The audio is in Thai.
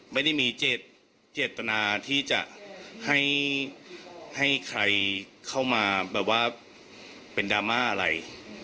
ไม่ได้มีเจตนาที่จะให้ใครเข้ามาแบบว่าเป็นดราม่าอะไร